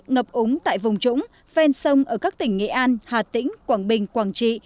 ngập úng tại vùng trũng ven sông ở các tỉnh nghệ an hà tĩnh quảng bình quảng trị